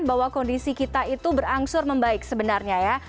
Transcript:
bahwa kondisi kita itu berangsur membaik sebenarnya ya